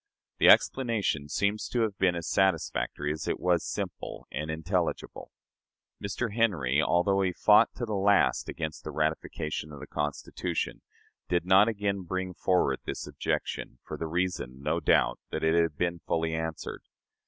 The explanation seems to have been as satisfactory as it was simple and intelligible. Mr. Henry, although he fought to the last against the ratification of the Constitution, did not again bring forward this objection, for the reason, no doubt, that it had been fully answered.